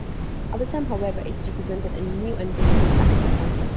At the time, however, it represented a new and different marketing concept.